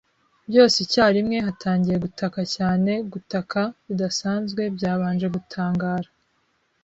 Byose icyarimwe hatangiye gutaka cyane, gutaka bidasanzwe, byabanje gutangara